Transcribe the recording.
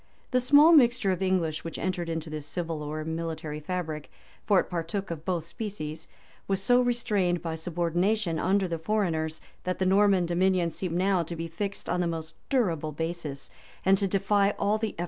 [] The small mixture of English which entered into this civil or military fabric, (for it partook of both species,) was so restrained by subordination under the foreigners, that the Norman dominion seemed now to be fixed on the most durable basis, and to defy all the efforts of its enemies.